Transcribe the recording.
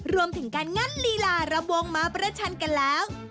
รวมถึงการงัดลีลาระวงมาประชันกันแล้ว